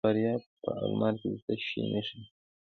د فاریاب په المار کې د څه شي نښې دي؟